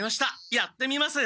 やってみます！